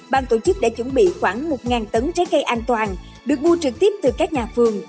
bang tổ chức đã chuẩn bị khoảng một nghìn tấn trái cây an toàn được mua trực tiếp từ các nhà phường